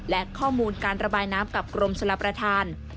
และข้อมูลการระบายน้ำกับกรมชลประธาน